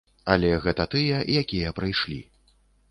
Але гэта тыя, якія прыйшлі.